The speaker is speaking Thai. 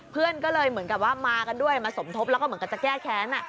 เพื่อนก็เลยเหมือนกับว่ามากันด้วยมาสมทบแล้วก็เหมือนกับจะแก้แค้น